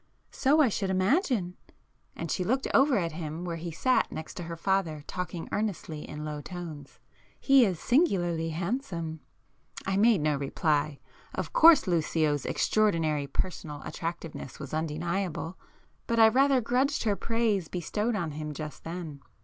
"So I should imagine!" and she looked over at him where he sat next to her father talking earnestly in low tones—"He is singularly handsome." I made no reply. Of course Lucio's extraordinary personal attractiveness was undeniable,—but I rather grudged her praise bestowed on him just then.